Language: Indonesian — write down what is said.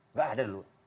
nggak ada dulu